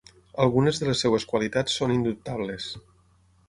Algunes de les seves qualitats són indubtables.